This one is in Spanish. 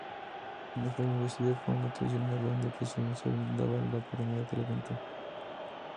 No fue investido con la tradicional banda presidencial, dada la premura del evento.